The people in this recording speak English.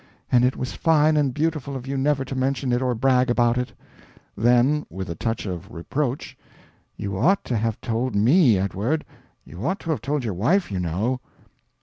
And it was fine and beautiful of you never to mention it or brag about it." Then, with a touch of reproach, "But you ought to have told ME, Edward, you ought to have told your wife, you know."